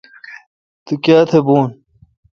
تو کایتھ بھو۔